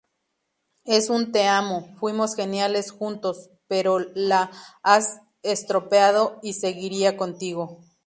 Es un 'Te amo, fuimos geniales juntos, pero la has estropeado y seguiría contigo'.